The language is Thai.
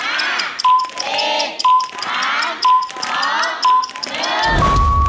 อ้าวว่านี่สุดยอด